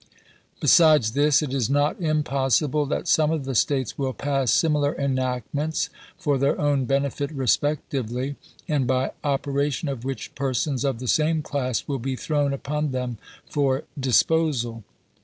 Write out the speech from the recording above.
Besides this, it is not impossible that some of the States will pass similar enact ments for their own benefit respectively, and by opera tion of which persons of the same class will be thrown upon them for disposal.